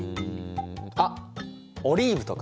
あっオリーブとか！